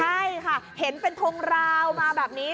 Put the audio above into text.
ใช่ค่ะเห็นเป็นทงราวมาแบบนี้